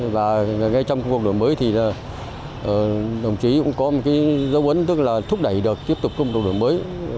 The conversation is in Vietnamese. và ngay trong cuộc đổi mới thì đồng chí cũng có một dấu vấn tức là thúc đẩy được tiếp tục công độ đổi mới